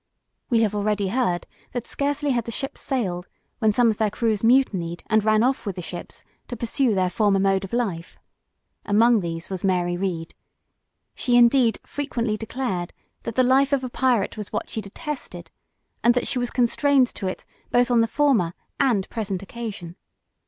We have already heard, that scarcely had the ships sailed, when some of their crews mutinied, and ran off with the ships, to pursue their former mode of life. Among these was Mary Read. She indeed, frequently declared, that the life of a pirate was what she detested, and that she was constrained to it both on the former and present occasion.